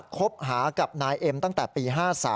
คบหากับนายเอ็มตั้งแต่ปี๕๓